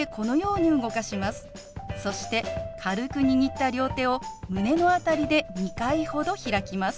そして軽く握った両手を胸のあたりで２回ほど開きます。